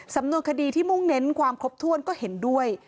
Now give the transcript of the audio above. สำนวนคดีที่มุ่งเน้นความครบถ้วนก็เห็นด้วย